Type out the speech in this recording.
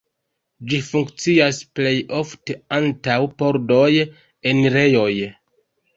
Ĝi funkcias plej ofte antaŭ pordoj, enirejoj.